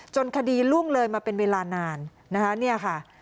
จนคดีลุ่งเลยมาเป็นเวลานานนะคะ